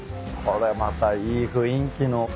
これまたいい雰囲気の。